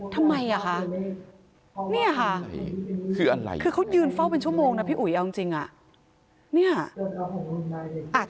ทำไมอ่ะคะเนี่ยค่ะคืออะไรคือเขายืนเฝ้าเป็นชั่วโมงนะพี่อุ๋ยเอาจริงอ่ะ